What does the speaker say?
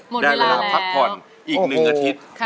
หมดเวลาแล้วได้เวลาพักผ่อนอีก๑สัปดิษฐ์